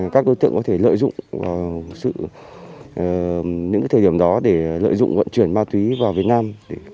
các đối tượng có thể lợi dụng vào những thời điểm đó để lợi dụng vận chuyển ma túy vào việt nam